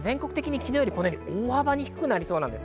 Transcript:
昨日よりも大幅に低くなりそうです。